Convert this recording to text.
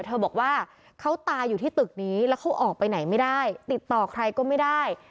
เขาบอกว่าเขาตายอยู่ที่ตึกนี้แล้วเขาออกไปไหนไม่ได้ติดต่อใครก็ไม่ได้